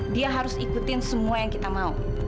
dia harus ikutin semua yang kita mau